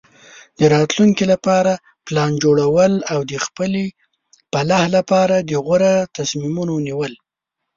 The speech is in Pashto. د راتلونکي لپاره پلان جوړول او د خپلې فلاح لپاره د غوره تصمیمونو نیول.